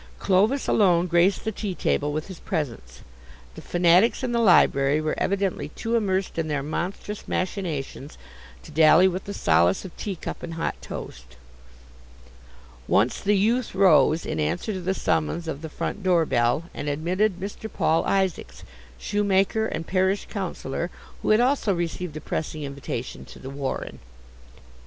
Clovis alone graced the tea table with his presence; the fanatics in the library were evidently too immersed in their monstrous machinations to dally with the solace of teacup and hot toast. Once the youth rose, in answer to the summons of the front door bell, and admitted Mr. Paul Isaacs, shoemaker and parish councillor, who had also received a pressing invitation to The Warren.